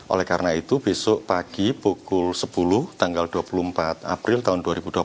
oleh karena itu besok pagi pukul sepuluh tanggal dua puluh empat april tahun dua ribu dua puluh satu